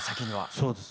そうです。